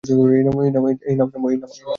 এই নাও, চ্যাম্প।